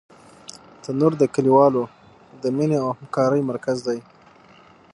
تنور د کلیوالو د مینې او همکارۍ مرکز دی